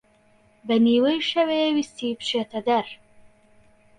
بە نیوەی شەوێ ویستی بچێتە دەر